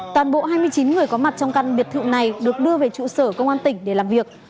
toàn bộ hai mươi chín người có mặt trong căn biệt thự này được đưa về trụ sở công an tỉnh để làm việc